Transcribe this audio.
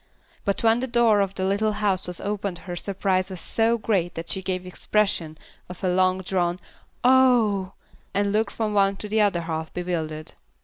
But when the door of the little house was opened her surprise was so great that she gave expression to one long drawn "Oh h!" and looked from one to the other half bewildered.